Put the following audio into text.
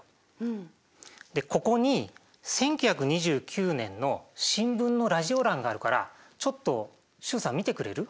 でここに１９２９年の新聞のラジオ欄があるからちょっと習さん見てくれる？